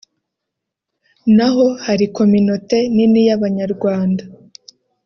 naho hari communauté nini y’Abanyarwanda